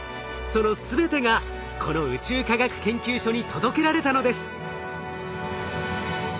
その全てがこの宇宙科学研究所に届けられたのです。